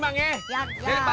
hai sejauh hai hai